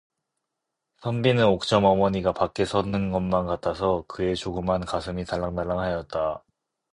선비는 옥점 어머니가 밖에 섰는 것만 같아서 그의 조그만 가슴이 달랑달랑하였다.